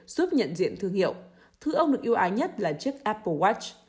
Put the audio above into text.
giúp nhận diện thương hiệu thư ông được yêu ái nhất là chiếc apple watch